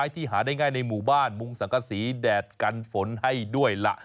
ที่หาได้ง่ายในหมู่บ้านมุงสังกษีแดดกันฝนให้ด้วยล่ะ